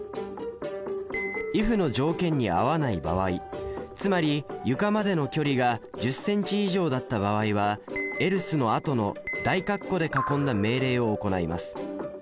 「ｉｆ」の条件に合わない場合つまり床までの距離が１０ｃｍ以上だった場合は「ｅｌｓｅ」のあとの大括弧で囲んだ命令を行います。